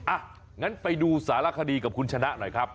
อ่ะงั้นไปดูสารคดีกับคุณชนะหน่อยครับ